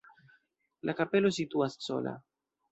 La kapelo situas sola.